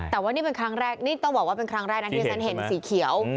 แต่ว่านี่เป็นครั้งแรกนี่ต้องบอกว่าเป็นครั้งแรกนะที่ฉันเห็นสีเขียว